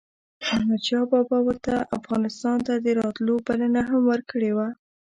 احمد شاه بابا ورته افغانستان ته دَراتلو بلنه هم ورکړې وه